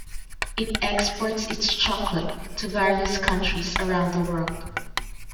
It exports its chocolate to various countries around the world.